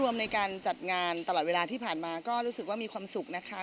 มีความรู้สึกว่ามีความสุขนะคะ